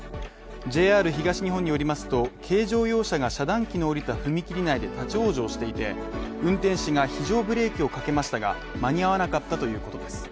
ＪＲ東日本によりますと、軽乗用車が遮断機の下りた踏切内で立ち往生していて運転手が非常ブレーキをかけましたが間に合わなかったということです。